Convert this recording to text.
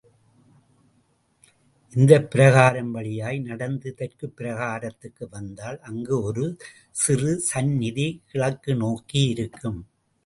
இந்தப் பிரகாரம் வழியாய் நடந்து தெற்குப் பிரகாரத்துக்கு வந்தால், அங்கு ஒரு சிறு சந்நிதி கிழக்கு நோக்கியிருக்கும்.